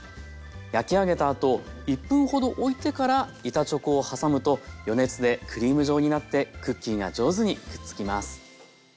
焼き上げたあと１分ほどおいてから板チョコを挟むと余熱でクリーム状になってクッキーが上手にくっつきます。